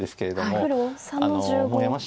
黒３の十五切り。